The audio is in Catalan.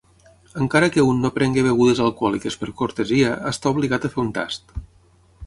Encara que un no prengui begudes alcohòliques per cortesia està obligat a fer un tast.